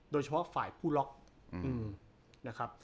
โดยเฉพาะฝ่ายผู้ล็อกนะครับ